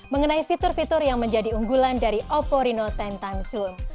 mengenai fitur fitur yang menjadi unggulan dari oppo reno sepuluh zoom